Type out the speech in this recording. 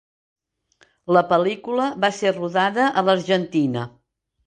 La pel·lícula va ser rodada a l'Argentina.